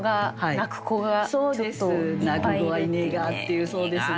「泣く子はいねが」っていうそうですね。